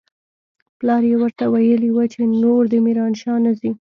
پلار يې ورته ويلي و چې نور دې ميرانشاه نه ځي.